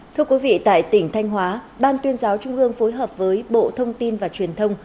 thưa quý vị tại tỉnh thanh hóa ban tuyên giáo trung ương phối hợp với bộ thông tin và truyền thông